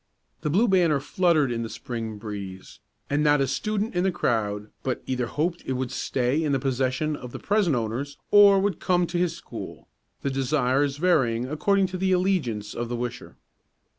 The Blue Banner fluttered in the Spring breeze, and not a student in the crowd but either hoped it would stay in the possession of the present owners, or would come to his school, the desires varying according to the allegiance of the wisher.